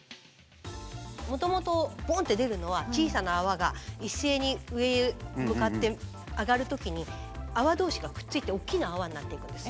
もともとボンって出るのは小さな泡が一斉に上へ向かって上がる時に泡同士がくっついて大きな泡になっていくんです。